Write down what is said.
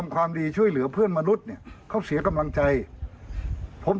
ครับ